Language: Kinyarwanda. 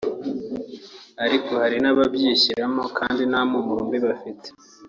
ariko hari n’ababyishyiramo kandi nta mpumuro mbi bafite